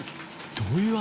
どういう事？